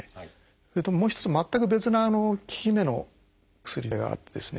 それともう一つ全く別な効き目の薬があってですね